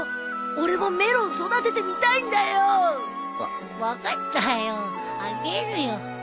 俺もメロン育ててみたいんだよ。わ分かったよあげるよ。